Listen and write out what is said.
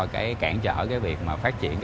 cản trở việc phát triển